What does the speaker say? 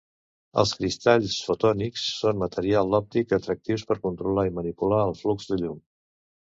Els cristalls fotònics són materials òptics atractius per controlar i manipular el flux de llum.